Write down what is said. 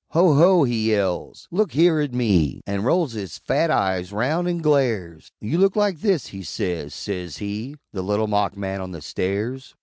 "Ho! ho!" he yells, "look here at me," An' rolls his fat eyes roun' an' glares, "You look like this!" he says, says he The Little Mock man on the Stairs!